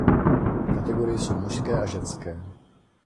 Kategorie jsou mužské a ženské.